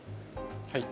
はい。